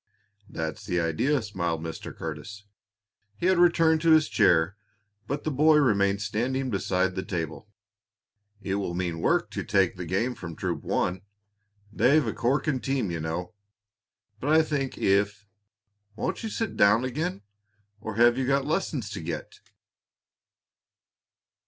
"That's the idea!" smiled Mr. Curtis. He had returned to his chair, but the boy remained standing beside the table. "It will mean work to take the game from Troop One; they've a corking team, you know. But I think if Won't you sit down again, or have you lessons to get?"